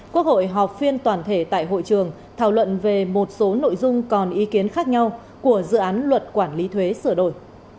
quốc hội họp phiên toàn thể tại hội trường thảo luận về một số nội dung còn ý kiến khác nhau của dự án luật quản lý thuế sửa đổi